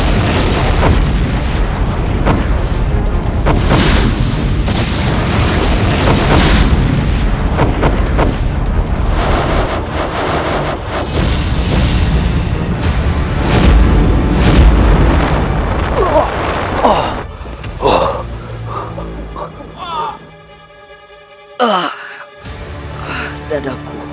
dan aku akan menemukanmu